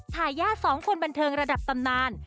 ทายาท๒คนบันเทิงระดับตำนาน